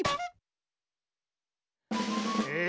え